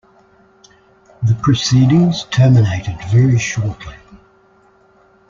The proceedings terminated very shortly.